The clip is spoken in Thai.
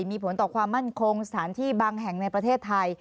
มีผลต่อความมั่นคงสถานที่บางแห่งในประเทศไทย